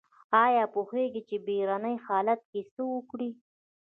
ایا پوهیږئ چې بیړني حالت کې څه وکړئ؟